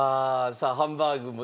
さあハンバーグも。